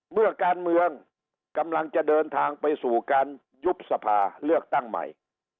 เมื่อการเมืองกำลังจะเดินทางไปสู่การยุบสภาเลือกตั้งใหม่